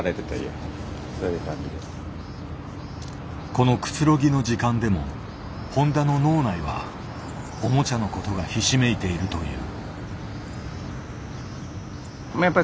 このくつろぎの時間でも誉田の脳内はおもちゃのことがひしめいているという。